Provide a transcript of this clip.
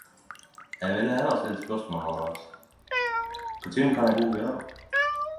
Eg ville heller stilt spørsmålet annleis - kor tynn kan ei bok vera?